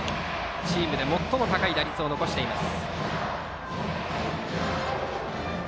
チームで最も高い打率を残しています。